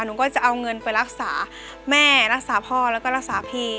หนูก็จะเอาเงินไปรักษาแม่รักษาพ่อแล้วก็รักษาพี่